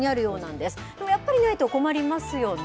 でもやっぱりないと困りますよね。